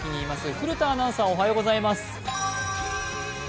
古田アナウンサー、おはようございます。